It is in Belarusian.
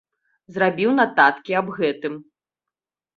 Зрабіў нататкі аб гэтым.